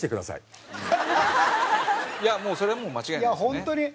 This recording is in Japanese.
いやそれはもう間違いないですよね。